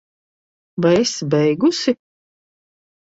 Vai esi beigusi?